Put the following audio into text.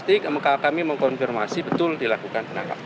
tapi yang pasti kami mau konfirmasi betul dilakukan penangkapan